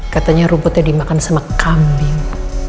katanya rumputnya dimakan sama kambing